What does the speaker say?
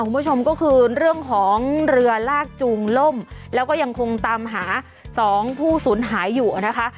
คุณผู้ชมก็คือเรื่องของเรือลากจูงล่มแล้วก็ยังคงตามหาสองผู้สูญหายอยู่นะคะ